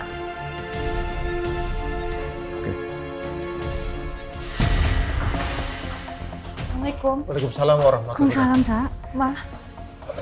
assalamu'alaikum wa'alaikumussalam warahmatullahi wabarakatuh